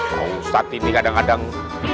kalau ustadz ini kadang kadang